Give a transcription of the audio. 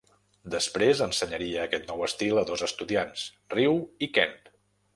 Després ensenyaria aquest nou estil a dos estudiants, Ryu i Ken.